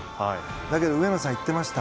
だけど上野さん言っていました。